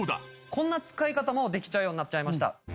こんな使い方もできちゃうようになっちゃいました。